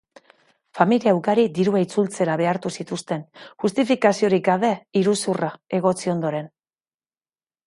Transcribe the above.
Familia ugari dirua itzultzera behartu zituzten, justifikaziorik gabe iruzurra egotzi ondoren.